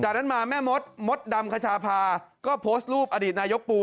จากนั้นมาแม่มดมดดำคชาพาก็โพสต์รูปอดีตนายกปู